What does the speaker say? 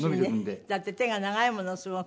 だって手が長いものすごく。